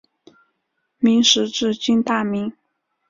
明时治今大名。